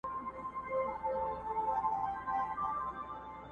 د خپل خیال قبر ته ناست یم خپل خوبونه ښخومه،